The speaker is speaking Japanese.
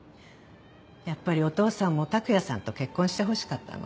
やっぱりお父さんも拓也さんと結婚してほしかったのね。